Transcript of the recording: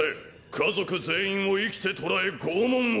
家族全員を生きて捕らえ拷問を！